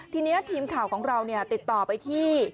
ทีนี้ทีมข่าวของเราติดต่อไปที่